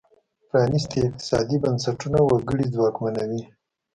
پرانیستي اقتصادي بنسټونه وګړي ځواکمنوي.